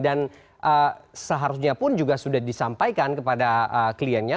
dan seharusnya pun juga sudah disampaikan kepada kliennya